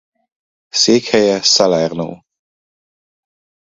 Székhelye Salerno.